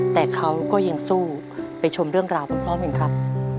แต่เขาก็ยังสู้ไปชมเรื่องราวพร้อมกันครับ